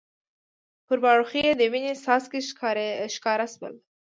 پر باړخو یې د وینې څاڅکي ښکاره شول.